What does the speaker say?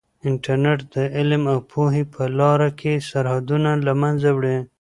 انټرنیټ د علم او پوهې په لاره کې سرحدونه له منځه وړي.